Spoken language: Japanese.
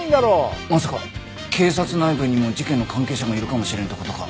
「まさか警察内部にも事件の関係者がいるかもしれんって事か？」